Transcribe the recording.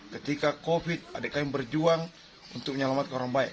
ketika covid adik kami berjuang untuk menyelamatkan orang baik